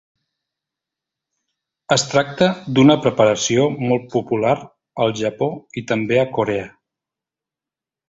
Es tracta d'una preparació molt popular al Japó i també a Corea.